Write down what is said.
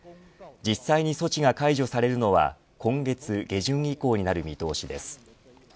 実際に措置が解除されるのは今月下旬以降になる見通しです。